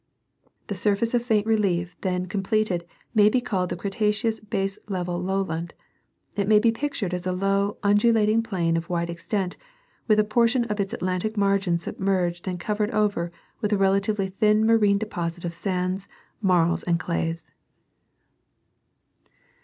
The surface of faint relief then completed may be called the Cretaceous base level lowland. It may be pictured as a low, undulating plain of wide extent, with a portion of its Atlantic margin submerged and covered over with a relatively thin mai'ine deposit of sands, marls and clays.